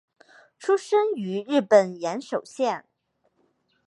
出身于日本岩手县。